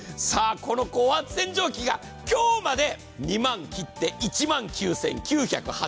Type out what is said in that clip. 高圧洗浄機が今日まで２万切って１万９９８０円。